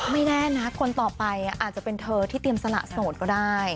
แน่นะคนต่อไปอาจจะเป็นเธอที่เตรียมสละโสดก็ได้